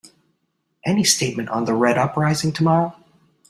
Any statement on the Red uprising tomorrow?